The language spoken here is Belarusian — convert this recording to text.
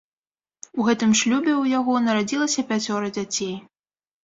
У гэтым шлюбе у яго нарадзілася пяцёра дзяцей.